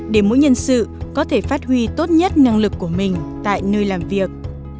để mỗi nhân sự có thể phát huy tốt nhất năng lực của mình tại nơi làm việc